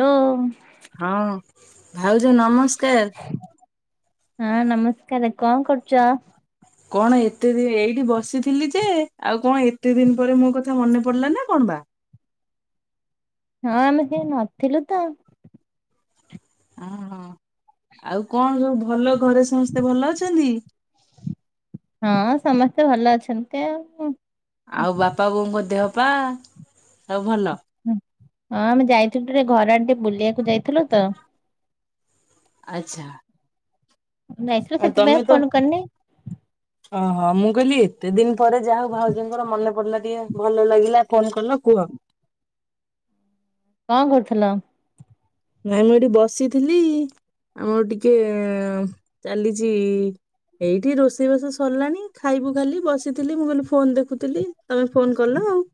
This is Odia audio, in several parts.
ଲୋ। ହଁ ଭାଉଜ ନମସ୍କାର। ହଁ ନମସ୍କାର, କଣ କରୁଛ? କଣ ଏତେ ଦି ଏଇଠି ବସିଥିଲି ଯେ ଆଉ କଣ ଏତେ ଦିନ ପରେ ମୋ କଥା ମନେ ପଡିଲା ନା କଣ ବା? ହଁ ଆମେ କେହି ନଥିଲୁ ତ। ଅ ହୋ ଆଉ କଣ ସବୁ ଭଲ, ଘରେ ସମସ୍ତେ ଭଲ ଅଛନ୍ତି? ହଁ ସମସ୍ତେ ଭଲ ଅଛନ୍ତି ଆଉ କଣ। ଆଉ ବାପା ବୋଉଙ୍କ ଦେହ ପା, ସବୁ ଭଲ। ହଁ ଆମେ ଯାଇଥିଲୁ ଟିକେ ଘର ଆଡେ ଟିକେ ବୁଲିବାକୁ ଯାଇଥିଲୁ ତ। ଆଚ୍ଛା। ଯାଇଥିଲୁ ଆ ସେଥିପାଇଁ ତମେ ତ ଫୋନ କରିନି। ଓହୋ ମୁଁ କହିଲି ଏତେ ଦିନ ପରେ ଯା ହଉ ଭାଉଜଙ୍କର ମନେ ପଡିଲା ଟିକେ ଭଲ ଲାଗିଲା ଫୋନ କଲ କୁହ? କଣ କରୁଥିଲ? ନାଇଁ ମୁଁ ଏଠି ବସିଥିଲି ଆମର ଟିକେ ଚାଲିଛି ଏଇଠି ରୋଷେଇବାସ ସରିଲାଣି। ଖାଇବୁ ଖାଲି ବସିଥିଲି ମୁଁ କହିଲି ଫୋନ ଦେଖୁଥିଲି ତମେ ଫୋନ କଲ ଆଉ।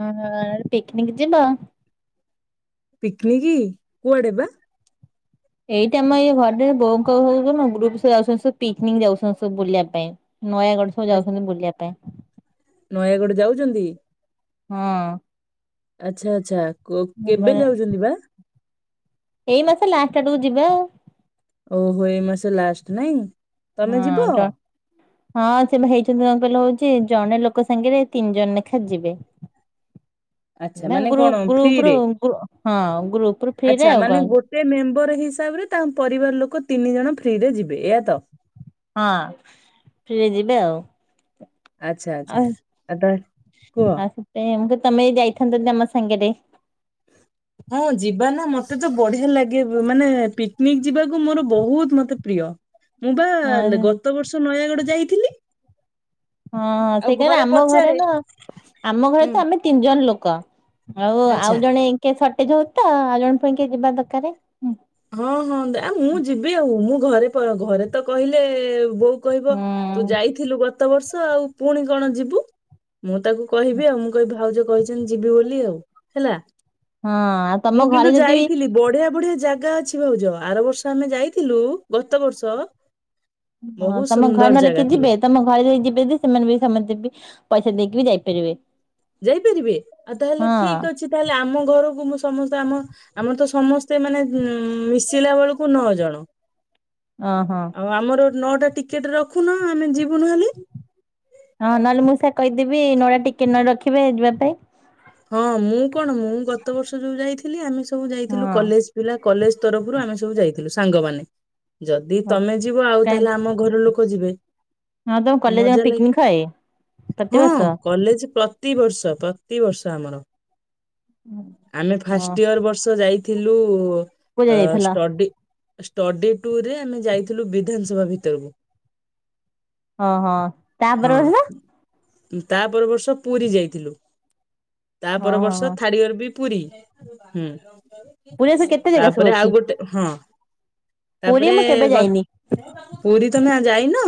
ହ ପିକନିକ ଯିବ? ପିକନିକ କୁଆଡେ ବା? ଏଇଟା ଆମ ଏଇ ଘରରେ ବୋଉ ଙ୍କ ସ ଗ୍ରୁପ ଯାଉଛନ୍ତି ସବୁ ପିକନିକ ଯାଉଛନ୍ତି ସବୁ ବୁଲିବା ପାଇଁ। ନୟାଗଡ଼ ସବୁ ଯାଉଛନ୍ତି ବୁଲିବା ପାଇଁ। ନୟାଗଡ଼ ଯାଉଛନ୍ତି। ହଁ। ଆଚଛା ଆଚ୍ଛା କେବେ ଯାଉଛନ୍ତି ବା? ଏଇ ମାସ ଲାଷ୍ଟ ଆଡ଼କୁ ଯିବେ ଆଉ। ଓହୋ ଏ ମାସେ ଲାଷ୍ଟ ନାଇଁ? ତମେ ଯିବ ହଁ। ଯ ହଁ ସେ ବା ହେଇଛନ୍ତି କଣ କହିଲ ହଉଚି ଜଣେ ଲୋକ ସାଙ୍ଗରେ ତିନି ଜଣ ନେଖା ଯିବେ। [inaudible] ଆଚ୍ଛା ନା ମାନେ କଣ ଗ୍ରୁପ ଗ୍ରୁପ ରୁ ଫ୍ରିରେ ହଁ ଗ୍ରୁପ ରୁ ଫ୍ରିରେ ଆଚ୍ଛା ଆଉ ମାନେ କଣ ଗୋଟେ ମେମ୍ବର ହିସାବ ରେ ତାଙ୍କ ପରିବାର ଲୋକ ତିନି ଜଣ ଫ୍ରିରେ ଯିବେ, ଏୟା ତ। ହଁ। ଫ୍ରି ରେ ଯିବେ ଆଉ। ଆଚ୍ଛା ଆ ଆଚ୍ଛା ଆଉ ତା କୁହ ସେଥିପାଇଁ ମୁଁ କହିଲି ତମେ ବି ଯାଇଥାନ୍ତ ଯଦି ଆମ ସାଙ୍ଗରେ ହ ହଁ ଯିବା ନା। ମତେ ତ ବଢିଆ ଲାଗେ, ମାନେ ପିକନିକ୍ ଯିବାକୁ ମୋର ବହୁତ ମତେ ପ୍ରିୟ। ମୁଁ ବା ହଁ ହଁ ଗତ ବର୍ଷ ନୟାଗଡ଼ ଯାଇଥିଲି। ହଁ ଆଉ ସେ କହିଲା ଆମ ଘରେ ପଚାରେ ନୁହଁ ଆମ ଘରେ ହୁଁ ତ ଆମେ ତିନି ଜଣ ଲୋକ। ଆଉ ଆଉ ଆଚ୍ଛା ଜଣେ କିଏ ସର୍ଟେଜ ହଉ ତ ଆଉ ଜଣେ ପୁଣି କିଏ ଯିବା ଦରକାରେ। ହଁ ହଁ ଆ ମୁଁ ଯିବି ଆଉ। ମୁଁ ଘରେ ପ ଘରେ ତ କହିଲେ ବୋଉ କହିବ ତୁ ଯାଇଥିଲୁ ଗତ ବର୍ଷ ଆଉ ପୁଣି କଣ ଯିବୁ। ମୁଁ ତାକୁ କହିବି ଆଉ ମୁଁ କହିବି ଭାଉଜ କହିଛନ୍ତି ଯିବି ବୋଲି ଆଉ ହେଲା। ହଁ ଆଉ ତମ ମୁଁ ଘରେ କିନ୍ତୁ ଯଦି ବି ଯାଇଥିଲି। ବଢିଆ ବଢ଼ିଆ ଜାଗା ଅଛି ଭାଉଜ। ଆର ବର୍ଷ ଆମେ ଯାଇଥିଲୁ, ଗତ ବର୍ଷ ହଁ ବହୁତ ତମ ଘରେ ସୁନ୍ଦର ନହେଲେ ଜାଗା କିଏ ଥିଲା। ଯିବେ? ତମ ଘରେ ଯିବେ ଯଦି ସେମାନେ ବି ସମସ୍ତେ ବି ପଇସା ଦେଇକି ବି ଯାଇପାରିବେ। ଯାଇପାରିବେ? ଆଉ ତାହେଲେ ହଁ ଠିକ୍ ଅଛି ତାହେଲେ ଆମ ଘରକୁ ମୁଁ ସମସ୍ତେ ଆମ ଆମର ତ ସମସ୍ତେ ମାନେ ମିଶିଲା ବେଳକୁ ନଅ ଜଣ। ଅ ହଁ। ଆଉ ଆମର ନଅଟା ଟିକେଟ୍ ରଖୁନ ଆମେ ଯିବୁ ନହେଲେ। ହଁ ନହେଲେ ମୁଁ ସେ କହିଦେବି ନଅ ଟା ଟିକେଟ୍ ନହେଲେ ରଖିବେ ଯିବା ପାଇଁ। ହଁ ମୁଁ କଣ ମୁଁ ଗତ ବର୍ଷ ଯୋଉ ଯାଇଥିଲି ଆମେ ସବୁ ଯାଇଥିଲୁ ହଁ କଲେଜ୍ ପିଲା କଲେଜ୍ ତରଫରୁ ଆମେ ସବୁ ଯାଇଥିଲୁ ସାଙ୍ଗମାନେ। ଯଦି ତମେ ଯିବ ଆଉ କାଇଁ ତାହେଲେ ଆମ ଘର ଲୋକ ଯିବେ। ହଁ ତମ କଲେଜ୍ ମଜା କଣ ଲାଗେ ପିକନିନ୍ ହଏ? ହଁ ପ୍ରତିବର୍ଷ? କଲେଜ ପ୍ର ପ୍ରତିିବର୍ଷ ପ୍ରତିିବର୍ଷ ଆମର। ଆମେ ହଁ ଫାଷ୍ଟ ଇୟର ବର୍ଷ ଯାଇ ଥିଲୁ କୋଉ ଯାଗା ଅ ଯାଇଥିଲ? ଷ୍ଟଡି ଷ୍ଟଡି ଟୁୁର୍ ରେ ଆମେ ଯାଇଥିଲୁ ବିଧାନସଭା ଭିତରକୁ। ହଁ ହଁ ତାପର ହଁ। ବର୍ଷ ତା ପର ବର୍ଷ ପୁରୀ ଯାଇଥିଲୁ। ତା ହଁ ପର ହଁ ବର୍ଷ ହଁ ଥାର୍ଡ ଇୟର ବି ପୁରୀ। ହୁଁ, ପୁରୀରେ ସବୁ କେତେ ଜାଗା ସବୁ ତାପରେ ଅଛି? ଆଉ ଗୋଟେ ହଁ। ପୁରୀ ତାପରେ ମୁଁ କେବେ ଗ ଯାଇନି। ପୁରୀ ତମେ ଆଉ ଯାଇନ?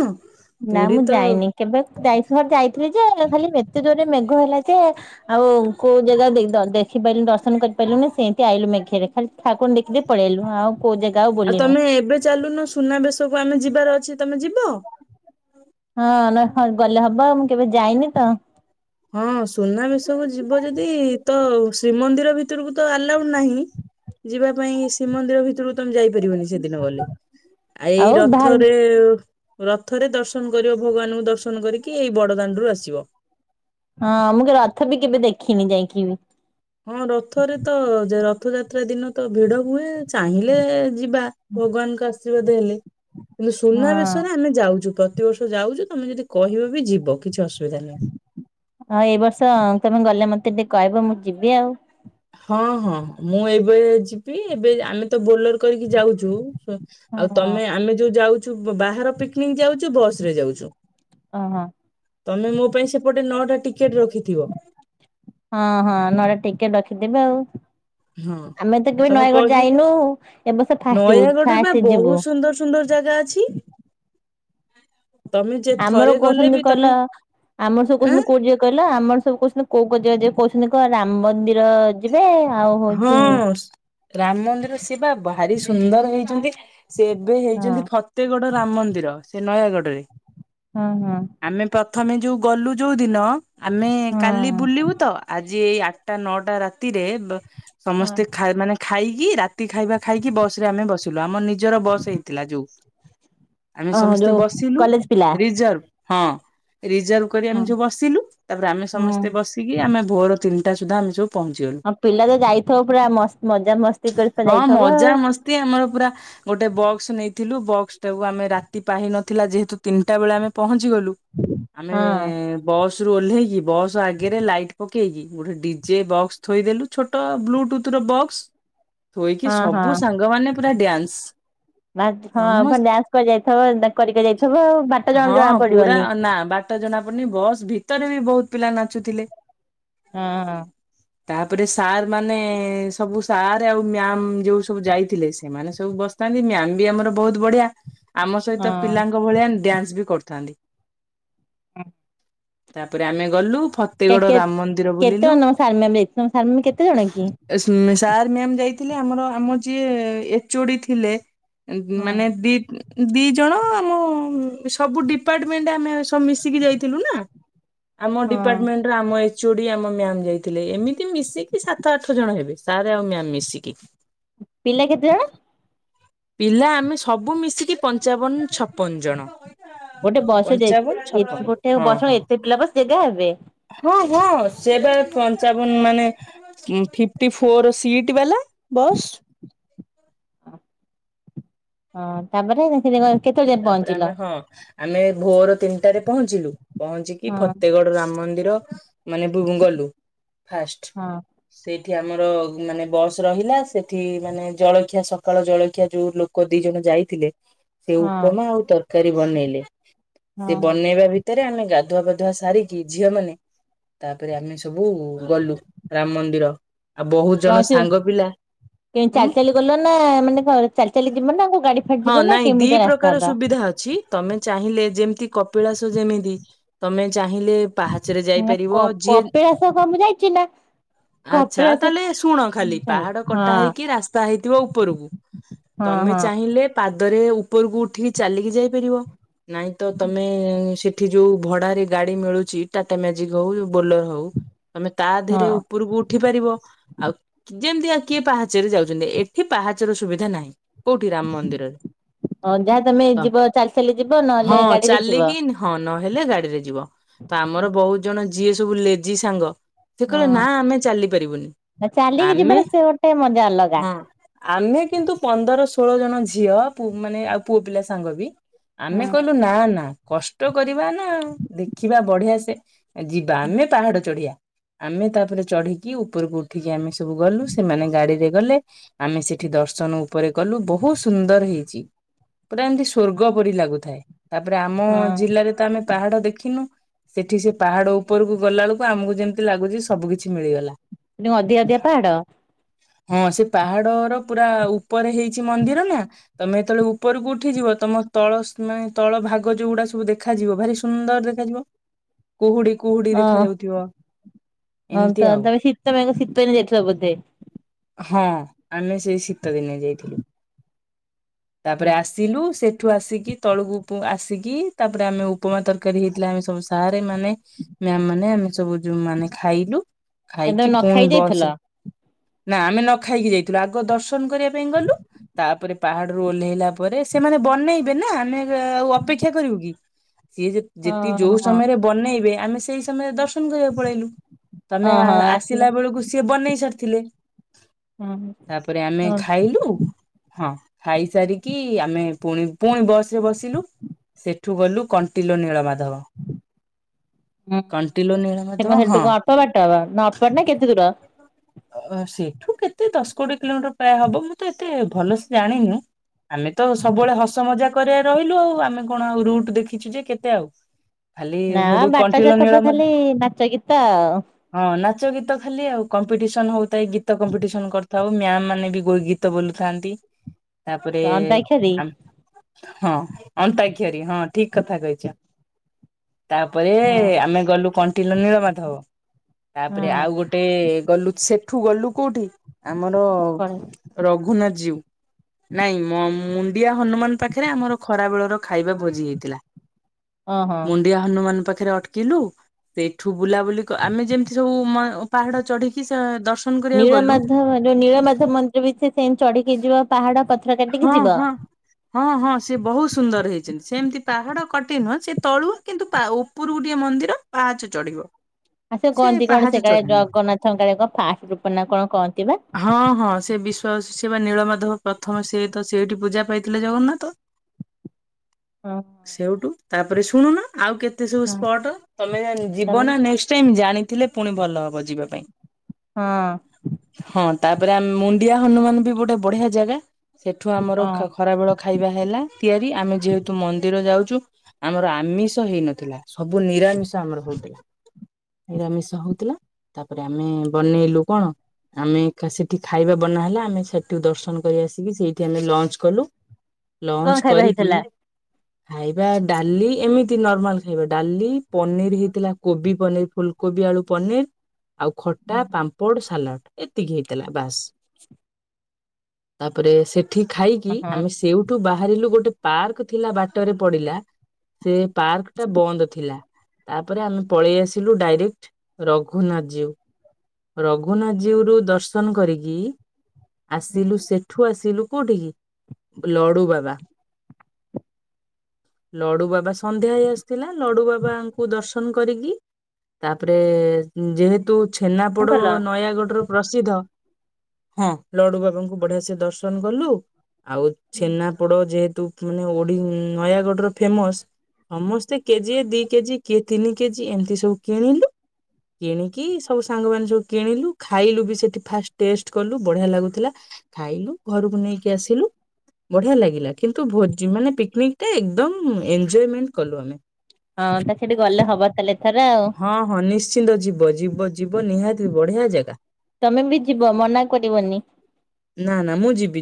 ନା ପୁରୀ ମୁଁ ତ ଯାଇନି। କେବେ ଯାଇଥିଲ ଯାଇଥିଲି ଯେ ଖାଲି ଏତେ ଜୋର ରେ ମେଘ ହେଲା ଯେ ଆଉ କୋଉ ଜାଗା ଦେ ଦେଖିପାରିଲୁନି ଦର୍ଶନ କରିପାରିଲୁନି ସେନ୍ତି ଆଇଲୁ ମେଘେ ରେ। ଖାଲି ଠାକୁନ୍ ଦେଖି ଦେଇ ପଳେଆଇଲୁ। ଆଉ କୋଉ ଜାଗା ଆଉ ଆଉ ବୁଲିନୁ। ତମେ ଏବେ ଚାଲୁନ। ସୁନାବେଶକୁ ଆମେ ଯିବାର ଅଛି ତମେ ଯିବ? ହଁ ନହେଲେ ଗଲେ ହବ ମୁଁ କେବେ ଯାଇନି ତ। ହଁ ସୁନାବେଶକୁ ଯିବ ଯଦି ତ ଶ୍ରୀମନ୍ଦିର ଭିତରକୁ ତ ଆଲାଉ ନାହିଁ। ଯିବା ପାଇଁ ଶ୍ରୀମନ୍ଦିର ଭିତରକୁ ତମେ ଯାଇପାରିବନି ସେଦିନ ଗଲେ। ଆ ଏଇ ଆଉ ବାହାର ରଥରେ ରଥରେ ଦର୍ଶନ କରିବ, ଭଗବାନଙ୍କୁ ଦର୍ଶନ କରିକି ଏଇ ବଡ ଦାଣ୍ଡରୁ ଆସିବ। ହଁ ମୁଁ କେବେ ରଥ ବି କେବେ ଦେଖିନି ଯାଇକି ବି। ହଁ ରଥରେ ତ ଯେ ରଥଯାତ୍ରା ଦିନ ତ ଭିଡ ହୁଏ। ଚାହିଁଲେ ଯିବା। ଭଗବାନଙ୍କ ଆଶୀର୍ବାଦ ହେଲେ। କିନ୍ତୁ ହଁ। ସୁନାବେଶରେ ଆମେ ଯାଉଚୁ ପ୍ର ପ୍ରତି ବର୍ଷ ଯାଉଚୁ, ତମେ ଯଦି କହିବ ବି ଯିବ କିଛି ଅସୁବିଧା ନାହିଁ। ହଁ ଏଇ ବର୍ଷ ତମେ ଗଲେ ମତେ ଟିକେ କହିବ ମୁଁ ଯିବି ଆଉ। ହଁ ହଁ ମୁଁ ଏବେ ଯିବି ଏବେ ଆମେ ତ ବୋଲେର କରିକି ଯାଉଚୁ ସ ଆଉ ହଁ ତମେ ଆମେ ଯୋଉ ଯାଉଚୁ ବ ବାହାର ପିକନିକ ଯାଉଚୁ ବସ୍ ରେ ଯାଉଚୁ। ଓହୋ ତମେ ମୋ ପାଇଁ ସେପଟେ ନଅଟା ଟିକେଟ ରଖିଥିବ। ହଁ ହଁ ନଟା ଟିକେଟ ରଖିଦେବେ ଆଉ। ହଁ ଆମେ ତ କେବେ ତମେ ନୟାଗଡ କହିଲେ ଯାଇନୁ ଏବସ ଫାଷ ଯିବୁ ନୟାଗଡରେ ବା ଫାଷ୍ଟ ବହୁତ ଯିବୁ। ସୁନ୍ଦର ସୁନ୍ଦର ଜାଗା ଅଛି। ତମେ ଯେ ଆମର ଥରେ ଗଲେ କହୁଛନ୍ତି ବି କହିଲ ତମେ ଆମର ସବୁ କହୁଛନ୍ତି ଆଁ କୋଉଟି ଯିବେ କହିଲ ଆମର ସବୁ କହୁଛନ୍ତି କୋଉ କୋ ଜାଗା ଯିବେ କହୁଛନ୍ତି କ ରାମ ମନ୍ଦିର ଅ ଯିବେ ଆଉ ହଁ ହଉଛି ସୁ ରାମ ମନ୍ଦିର ସିଏବା ଭାରି ସୁନ୍ଦର ହେଇଚନ୍ତି। ସେ ଏବେ ହଁ ହେଇଚନ୍ତି ଫତେଗଡ ରାମ ମନ୍ଦିର ସେ ନୟାଗଡରେ। ହଁ ହଁ। ଆମେ ପ୍ରଥମେ ଯୋଉ ଗଲୁ ଯୋଉ ଦିନ ଆମେ କାଲି ହଁ ବୁଲିବୁ ତ ଆଜି ଏଇ ଆଟା ନଅଟା ରାତିରେ ବ ହଁ ସମସ୍ତେ ଖାଇର ମାନେ ଖାଇକି ରାତି ଖାଇବା ଖାଇକି ବସ ରେ ଆମେ ବସିଲୁ ଆମର ନିଜର ବସ ହେଇଥିଲା ଯୋଉ। ଆମେ ଓହୋ ସମସ୍ତେ ଯୋଉ ବସିଲୁ କଲେଜ ପିଲା ରିଜର୍ଭ। ହଁ ରିଜର୍ଭ କରି ଆମେ ହଁ ସବୁ ବସିଲୁ ତାପରେ ଆମେ ହୁଁ ସମସ୍ତେ ବସି କି ଆମେ ଭୋର ତିନିଟା ସୁଧା ଆମେ ସବୁ ପହଞ୍ଚି ଗଲୁ। ଅ ପିଲା ତ ଯାଇଥିବ ପୁରା ମସ୍ ମଜା ମସ୍ତି କରି ପା ଯାଇଥବ ଆଉ। ତି ଆମର ପୁରା ଗୋଟେ ବକ୍ସ ନେଇଥିଲୁ ବକ୍ସ ଟାକୁ ଆମେ ରାତି ପାହି ନଥି ଥିଲା ଯେହେତୁ ତିନିଟା ବେଳେ ଆମେ ପହଞ୍ଚି ଗଲୁ ଆମେ ବସ ରୁ ଓହ୍ଲେଇକି ବସ ଆଗରେ ଲାଇଟ ପକେଇକି ଗୋଟେ ଡିଜେ ବକ୍ସ ଥୋଇଦେଲୁ। ଛୋଟ ବ୍ଲୁଟୁଥ ର ବକ୍ସ ଥୋଇକି ହଁ ହଁ ହଁ ସବୁ ସାଙ୍ଗମାନେ ପୁରା ଡ୍ୟାନ୍ସ ବାଥ୍ ହଁ ପା ସମସ୍ତ ଡ୍ୟାନ୍ସ କରି ଯାଇଥବ ଦା କରି କରି ଯାଇଥିବ ଆଉ ବାଟ ଜଣା ହଁ ଜଣା ପୁରା ପଡିବନି। ନା ବାଟ ଜଣା ପଡ଼ୁନି ବସ୍ ଭିତରେ ବି ବହୁତ ପିଲା ନାଚୁଥିଲେ। ହଁ ଆଁ। ଏପଟେ ସାର୍ ମାନେଏ ସବୁ ସାର୍ ଆଉ ମ୍ୟାମ ଯୋଉ ସବୁ ଯାଇଥିଲେ ସେମାନେ ସବୁ ବସ ଥାନ୍ତି ମ୍ୟାମ ବି ଆମର ବହୁତ ବଢିଆ। ଆମ ସହିତ ହଁ। ପିଲାଙ୍କ ଭଳିଆ ଡ୍ୟାନ୍ସ ବି କରୁଥାନ୍ତି। ହଁ। ତାପରେ ଆମେ ଗଲୁ ଫତେଗଡ ରାମ ମନ୍ଦିର କେତେ ବୁଲିଲୁ। ଜଣ ସାର୍ ମେମ ବି ଯା ତମ ସାର୍ ମେମ କେ କେତେ ଜଣ କି? ଏସ୍ ସାର୍ ମ୍ୟାାମ ଯାଇଥିଲେ ଆମର ଆମ ଯିଏ ଏଚ୍ ଓ ଡି ଥିଲେ। ଏ ବି ହଁ ମାନେ ଦି ଦି ଜଣ ଆମ ସବୁ ଡିପାର୍ଟମେଣ୍ଟ ଆମେ ସବୁ ମିଶିକି ଯାଇଥିଲୁ ନା। ଆମ ହଁ। ଡିପାର୍ଟମେଣ୍ଟର ଆମ ଏଚ୍ ଓ ଡି ଆମ ମ୍ୟାାମ ଯାଇଥିଲେ ଏମତି ମିତି ମିଶିକି ସାତ ଆଠ ଜଣ ହେବେ ସାର୍ ଆଉ ମ୍ୟାାମ ମିଶିକି। ପିଲା କେତେ ଜଣ। ପିଲା ଆମେ ସବୁ ମିଶିକି ପଞ୍ଚାବନ ଛପନ ଜଣ। ଗୋଟେ ବସ ରେ ଯାଇ ଥି ପଞ୍ଚାବନ ଏ ଛପନ ଗୋଟେ ହଁ ବସ ହଁ ଏତେ ପିଲା ବସ ଜାଗା ହେବେ। ହଁ ହଁ ସେ ବା ପଞ୍ଚାବନ ମାନେ ଫିଫ୍ଟି ଫୋର ସିଟ ବାଲା ବସ୍। ହଁ ତାପରେ [unintelligible] ତାପରେ ପହଞ୍ଚିଲ? ଆମେ ହଁ। ଆମେ ଭୋର ତିନିଟାରେ ପହଞ୍ଚିଲୁ ପହଞ୍ଚିକି ହଁ ଫତେଗଡ ରାମ ମନ୍ଦିର ମାନେ ବୁମ୍ ଗଲୁ ଫାଷ୍ଟ। ହଁ ସେଇଠି ଆମର ମାନେ ବସ୍ ରହିଲା ସେଠି ମାନେ ଜଳଖିଆ ସକାଳ ଜଳଖିଆ ଯୋଉ ଲୋ କ ଦି ଜଣ ଯାଇଥିଲେ ସେ ହଁ ଉପମା ଆଉ ତରକାରୀ ବନେଇଲେ ସେ ହଁ। ବନେଇବା ଭି ତରେ ଆମେ ଗାଧୁଆ ପାଧୁଆ ସାରିକି ଝିଅମାନେ ତାପରେ ଆମେ ସବୁ ଗଲୁ ରାମ ମନ୍ଦିର। ଆଉ ବହୁତ କଣ ଜଣ ସାଙ୍ଗ ପିଲା କେମିତି ଉଁ ଚାଲି ଚାଲି ଗଲ ନା ମାନେ କଣ ଚାଲି ଚାଲି ଯିବନା କୋଉ ଗାଡି ଫାଡି ହଁ ଯିବ ନା ନାଇଁ ଦି କେମିତିଆ ରାସ୍ ପ୍ରକାର ସୁବିଧା ଅଛି ତମେ ଚାହିଁଲେ ଯେମିତି କପିଳାସ ଯେମିତି ତମେ ଚାହିଁଲେ ପାହାଚରେ ମାନେ ଯାଇପାରିବ ଯିଏ କପିଳାସ କଣ ମୁଁ ଯାଇଛି ନା ଆଚ୍ଛା କପିଳାସ ତାହେଲେ ଶୁଣ ଖାଲି ପାହାଡ କଟା ହଁ। ହେଇକି ରାସ୍ତା ହେଇଥିବ ଉପରକୁ ହଁ ତମେ ହଁ ଚାହିଁଲେ ପାଦରେ ଉପରକୁ ଉଠିକି ଚାଲିକି ଯାଇପାରିବ। ନାଇଁ ତ ତମେ ସେ ଠି ଯୋଉ ଭଡାରେ ଗାଡି ମିଳୁଛି ଟାଟା ମ୍ୟାଜିକ ହଉ ବୋଲର ହଉ ତମେ ତା ଦେହରେ ଉପରକୁ ଉଠି ପାରିବ ଆଉ ଯେମିତି ଆଉ କିଏ ପାହାଚରେ ଯାଉଛନ୍ତି। ଏଠି ପାହାଚର ସୁବିଧା ନାହିଁ କୋଉଠି ରାମ ମନ୍ଦିରରେ। ହଁ ଯାହା ତମେ ତ ଯିବ ଚାଲି ଚାଲି ଯିବ ହଁ ନହେଲେ ଗାଡିରେ ଯିବ? ଚାଲିକି ହଁ ନହେଲେ ଗାଡିରେ ଯିବ ତ ଆମର ବହୁତ ଜଣ ଯିଏ ସବୁ ଲେଜି ସାଙ୍ଗ ସେ କହିଲ ନା ଆମେ ଚାଲିପାରିବୁନି ନା ଚାଲିକି ଆମେ ଯିବାର ସେ ଗୋଟେ ମଜା ଅଲଗା। ହଁ ଆମେ କିନ୍ତୁ ପନ୍ଦର ଷୋଳ ଜଣ ଝିଅ ପୁ ମାନେ ଆଉ ପୁଅ ପିଲା ସାଙ୍ଗବି ଆମେ ହଁ କହିଲୁ ନା ନା କଷ୍ଟ କରିବା ନା ଦେଖିବା ବଢିଆ ସେ ଯିବା ଆମେ ପାହାଡ ଚଢିବା ଆମେ ତାପରେ ଚଢିକି ଉପରକୁ ଉଠିକି ଆମେ ସବୁ ଗଲୁ ସେମାନେ ଗାଡିରେ ଗଲେ। ଆମେ ସେଠି ଦର୍ଶନ ଉପରେ କଲୁ ବହୁତ ସୁନ୍ଦର ହେଇ ଚି ପୁରା ଏମିତି ସ୍ଵର୍ଗ ପରି ଲାଗୁଥାଏ। ତାପରେ ଆମ ଜିଲ୍ଲାରେ ତ ଆମେ ପାହାଡ ଦେଖିନୁ ସେଠି ସେ ପାହାଡ ଉପରକୁ ଗଲାବେଳକୁ ଆମକୁ ଯେମିତି ଲାଗୁଛି ସବୁ କିିଛି ମିଳିଗଲା। ହେଠି କଣ ଅଧିକା ଅଧିକା ପାହାଡ? ହଁ ସେ ପାହାଡର ପୁରା ଉପରେ ହେଇଛି ମନ୍ଦିର ନା ତମେ ଯେତେବେଳେ ଉପରକୁ ଉଠିଯିବ ତମ ତଳ ମାନେ ତଳ ଭାଗ ଯୋଉଗୁଡା ସବୁ ଦେଖାଯିବ ଭାରି ସୁନ୍ଦର ଦେଖାଯିବ। କୁହୁଡି କୁହୁଡି ହଁ ଦେଖାଯାଉଥିବ। ହଁ ତ ତମେ ଶୀତ ମ ଶୀତିଦିନେ ଯାଇଥିଲ ବୋଧେ? ହଁ ଆମେ ସେଇ ଶୀତ ଦିନେ ଯାଇଥିଲୁ। ତାପରେ ଆସିଲୁ ସେ ଠୁ ଆସିକି ତଳକୁ ପ ଆସିକି ତାପରେ ଆମେ ଉପମା ତରକାରୀ ହେଇଥିଲା ଆମେ ସବୁ ସାରେ ମାନେ ମ୍ୟାମ୍ ମାନେ ଆମେ ସବୁ ଯୋଉ ମାନେ ଖାଇଲୁ କାଇଁ ତମେ ଖାଇକି ନ ଖାଇ ପୁଣି ଯାଇଥିଲ? ବସ ରେ ନା ଆମେ ନ ଖାଇକି ଯାଇଥିଲୁ ଆଗ ଦର୍ଶନ କରିବା ପାଇଁ ଗଲୁ ତାପରେ ପାହାଡ ଓହ୍ଲେଇଲା ପରେ ସେମାନେ ବନେଇବେ ନା ଆମେ ଆଉ ଅପେକ୍ଷା କରିବୁ କି ସିଏ ଯେ ଯେତିକି ଯୋଉ ଓହୋ ସମୟରେ ବନେଇବେ ଆମେ ସେଇ ସମୟରେ ଦର୍ଶନ କରିବାକୁ ପଳେଇଲୁ। ତମେ ଆ ଆସିଲା ବେଳକୁ ସିଏ ବନେଇ ସାରିଥିଲେ। ଓ ତାପରେ ଆମେ ଖାଇଲୁ ହଁ? ଖାଇସାରିକି ଆମେ ପୁଣି ପୁଣି ବସ ରେ ବସିଲୁ। ସେଠୁ ଗଲୁ କଣ୍ଟିଲୋ ନୀଳମାଧବ। ହୁଁ କଣ୍ଟିଲୋ ସେ ନୀଳମାଧବ ସେଠୁ ହଁ ଅଳ୍ପ ବାଟ ହ ନା ଅଳ୍ପ ବାଟ ନା କେତେ ଦୂର? ଅ ସେଇଠୁ କେତେ ଦଶ କୋଡିଏ କିଲୋମିଟର ପ୍ରାୟ ହବ ମୁଁ ତ ଏତେ ଭଲସେ ଜାଣିନି ଆମେ ତ ସବୁବେଳେ ହସ ମଜା କରିବାରେ ରହିଲୁ ଆଉ। ଆମେ କଣ ଆଉ ରୁଟ ଦେଖିଛୁ ଯେ କେତେ ଆଉ। ଖାଲି ନା ସେଠୁ ବାଟ କଣ୍ଟିଲୋ ଯାକ ତ ନୀଳମାଧ ଖାଲି ନାଚ ଗୀତ ଆଉ। ହଁ ନାଚ ଗୀତ ଖାଲି ଆଉ କ କମ୍ପିଟିସନ ହଉଥାଇ ଗୀତ କମ୍ପିଟିସନ କରିଥାଉ ମ୍ୟାମ ମାନେ ବି ଗୀତ ବୋଲୁଥାନ୍ତି। ତାପରେ ଅନ୍ତାକ୍ଷରୀ ହଁ ଅନ୍ତାକ୍ଷରୀ ହଁ ଠିକ କଥା କହିଛ। ତାପରେ ହଁ ଆମେ ଗଲୁ କଣ୍ଟିଲ ନୀଳମାଧବ ହଁ ତାପରେ ଆଉ ଗୋଟେ ଗୋଟେ ଗଲୁ ସେଠୁ ଗଲୁ କୋଉଠି ଆମର କଣ ରଘୁନାଥ ଯିୟୁ ନାଇଁ ମୁ ମୁଣ୍ଡିଆ ହନୁମାନ ପାଖରେ ଆମର ଖରା ବେଳର ଖାଇବା ଭୋଜି ହେଇଥିଲା। ଓ ହଁ। ଡିଆ ହନୁମାନ ପାଖରେ ଅଟକିଲୁ, ସେଠୁ ବୁଲାବୁଲି କ- ଆମେ ଯେମିତି ସବୁ ପାହାଢ଼ ଚଢିକି କି ସ ଦର୍ଶ ନୀଳମାଧବ ଯୋଉ, ନୀଳମାଧବ ମନ୍ଦିର ବି ସେ ସେମିତି ଚଡ଼ିକି ଯିବ। ପାହାଡ ପଥର କାଟିକି ହଁ ଯିବ। ହଁ ହଁ ହଁ ସେ ବୋହୁତ୍ ସୁନ୍ଦର ହେଇଛନ୍ତି। ସେମିତି ପାହାଡ କଟି ନୁହଁ, ସେ ତଳୁ କିନ୍ତୁ ତା ଉ ଉପରକୁ ଟିକେ ମନ୍ଦିର ପାହାଚ ଚଢିବ। ଆ ସେ କହନ୍ତି କଣ ପାହାଚ ସେ କାଳେ ଚଢା ନୁହଁ ଜଗନ୍ନାଥଙ୍କ କଣ ଫାଷ୍ଟ ରୂପ ନା କଣ କହନ୍ତି ବା? ହଁ ହଁ। ସେ ବିଶ୍ୱା ସେବା ନୀଳମାଧବ ପ୍ରଥମେ ସେ ତ ସେଇଠି ପୂଜା ପାଇଥିଲେ ଜଗନ୍ନାଥ। ହଁ। ସେଇଠୁ ତାପରେ ଶୁଣୁନ, ଆଉ କେତେ ସବୁ ହଁ ସ୍ପଟ। ତମେ ଯିବ ତାପରେ ନା ନେଷ୍ଟ ଶେମ୍ ଜାଣିଥିଲେ ପୁଣି ଭଲ ହବ ଯିବା ପାଇଁ। ହଁ। ହଁ ତାପରେ ଆମ୍, ମୁଣ୍ଡିଆ ହନୁମାନ ବି ଗୋଟେ ବଢିଆ ଜାଗା। ସେଠୁ ଆମର ହଁ। ଖରାବେଳ ଖାଇବା ହେଲା ତିଆରି ଆମେ ଯେହେତୁ ମନ୍ଦିର ଯାଉଛୁ, ଆମର ଆମିଷ ହେଇନଥିଲା। ସବୁ ନିରାମିଷ ଆମର ହୋଉଥିଲା। ନିରାମିଷ ହୋଉଥିଲା। ଆମେ ବନେଇଲୁ କଣ? ଆମେ ଏଖା ସେଠି ଖାଇବା ବନା ହେଲା, ଆମେ ସେଠି ଦର୍ଶନ କରି ଆସିକି ସେଇଠି ଆମେ ଲଞ୍ଚ କଲୁ କଣ ଲଞ୍ଚ ଖାଇବା କରିକି ହେଇଥିଲା? ଖାଇବା ଡାଲି ଏମିତି ନର୍ମାଲ ଖାଇବା ଡାଲି, ପନିର ହେଇଥିଲା କୋବି ପନିର ଫୁଲ୍ କୋବି ଆଳୁ ପନିର୍, ଆଉ ଖଟା, ପାମ୍ପଡ଼ ସାଲାଡ଼। ଏତିକି ହେଇଥିଲା ବାସ୍। ତାପରେ ସେଠି ଖାଇକି ଓହୋ ଆମେ ସେଉ ଠୁ ବାହାରିଲୁ ଗୋଟେ ପାର୍କ ଥିଲା ବାଟରେ ପଡିଲା। ସେ ପାର୍କ ଟା ବନ୍ଦ ଥିଲା। ତାପରେ ଆମେ ପଳେଇ ଆସିଲୁ ଡାଇରେକ୍ଟ ରଘୁନାଥ ଜିଉ ରଘୁନାଥ ଜୀଉ ରୁ ଦର୍ଶନ କରିକି ଆସିଲୁ ସେଠୁ ଆସିଲୁ କୋଉଠିକି ଲଡୁ ବାବା। ଲଡୁ ବାବା ସନ୍ଧ୍ୟା ହେଇ ଆସିଥିଲା। ଲଡୁ ବାବାଙ୍କୁ ଦର୍ଶନ କରିକି ତାପରେ ଯେହେତୁ କଣ ଛେନାପୋଡ କଲ? ନୟାଗଡ ର ପ୍ରସିଦ୍ଧ ହଁ ଲଡୁ ବାବାୁଙ୍କୁ ବଢିଆ ସେ ଦର୍ଶନ କଲୁ ଆଉ ଛେନାପୋଡ ଯେହେତୁ ମାନେ ଓଡି ନୟାଗଡର ଫେମସ୍ ସମସ୍ତେ କେଜିଏ ଦି କେଜି କିଏ ତିନି କେଜି ଏମିତି ସବୁ କିଣିଲୁ। କିଣି କି ସବୁ ସାଙ୍ଗମାନେ ସବୁ କିଣିଲୁ ଖାଇଲୁ ବି ସେଠି ଫାଷ୍ଟ ଟେଷ୍ଟ କଲୁ ବଢିଆ ଲାଗୁଥିଲା ଖାଇଲୁ ଘରକୁ ନେଇକି ଆସିଲୁ। ବଢିଆ ଲାଗିଲା କିନ୍ତୁ ଭୋଜି ମାନେ ପିକ୍ନିକ୍ ଟା ଏକଦମ୍ ଏଜୟମେଣ୍ଟ କଲୁ ଆମେ। ହଁ ତା ସେଠି ଗଲେ ହବ ତାହେଲେ ଏଥର ଆଉ। ହଁ ହଁ ନିଶ୍ଚିନ୍ତ ଯିବ ଯିବ ଯିବ ନିହାତି ବଢିଆ ଜାଗା। ତମେ ବି ଯିବ ମନା କରିବନି। ନା ନା ମୁଁ ଯିବି।